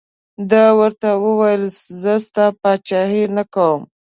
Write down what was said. ده ورته وویل زه ستا پاچهي نه کوم.